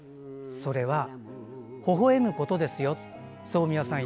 「それは、ほほえむことです」。